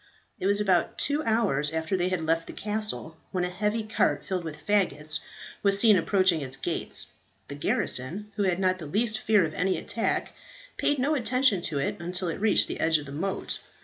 It was about two hours after they had left the castle, when a heavy cart filled with faggots was seen approaching its gates. The garrison, who had not the least fear of any attack, paid no attention to it until it reached the edge of the moat.